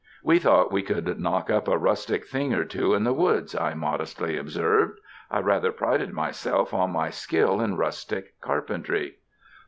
We thought we could knock up a rustic thing or two in the woods, I modestly observed. I rather pride myself on my skill in rustic carpentry.